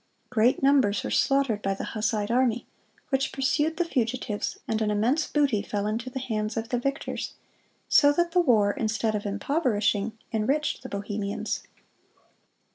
Great numbers were slaughtered by the Hussite army, which pursued the fugitives, and an immense booty fell into the hands of the victors, so that the war, instead of impoverishing, enriched the Bohemians.